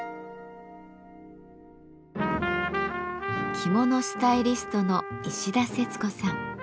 着物スタイリストの石田節子さん。